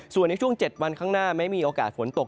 ส่วนในช่วง๗วันข้างหน้าไม่มีโอกาสฝนตก